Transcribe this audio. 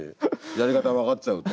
やり方分かっちゃうと。